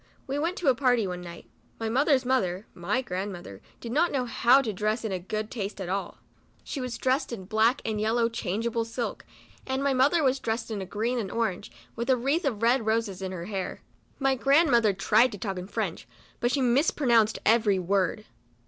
We went to a party one night. My mother's mother, (my grand mother) did not know how to dress in good taste at all. She was dressed in a black and yellow changeable silk, and my mother was dressed in a green and orange, with a wreath of red roses in her hair. My grand mother tried to talk French, but she mis pronounced every word.